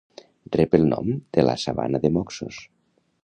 Rep el nom de la sabana de Moxos.